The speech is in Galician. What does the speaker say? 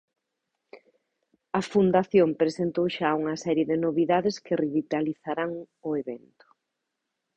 A Fundación presentou xa unha serie de novidades que revitalizarán o evento.